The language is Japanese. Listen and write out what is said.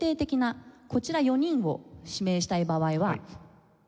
こちら４人を指名したい場合は。